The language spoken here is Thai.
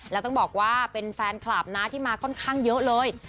แล้วต้องบอกว่าเป็นแฟนคลับนะที่มาค่อนข้างเยอะเลย